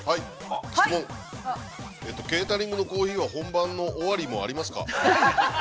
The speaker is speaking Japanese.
ケータリングのコーヒーは、本番終わりもありますか。